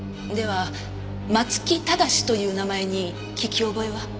では松木正という名前に聞き覚えは？